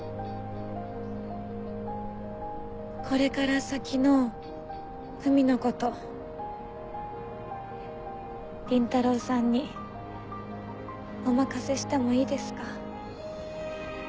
これから先の海のこと倫太郎さんにお任せしてもいいですか？